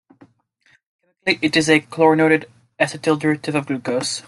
Chemically, it is a chlorinated acetal derivative of glucose.